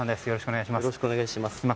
よろしくお願いします。